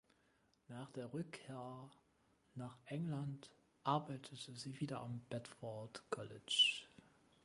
Nach der Rückkehr nach England arbeitete sie wieder am Bedford College.